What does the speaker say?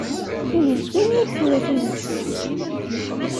Ihi ini-yi-d tura tidet!